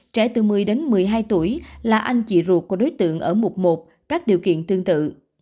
trẻ từ một mươi đến một mươi hai tuổi là anh chị ruột của đối tượng ở mục một các điều kiện tương tự